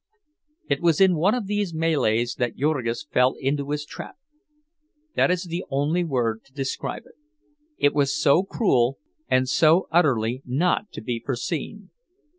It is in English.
It was in one of these mêlées that Jurgis fell into his trap. That is the only word to describe it; it was so cruel, and so utterly not to be foreseen.